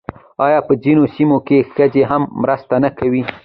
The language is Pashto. آیا په ځینو سیمو کې ښځې هم مرسته نه کوي؟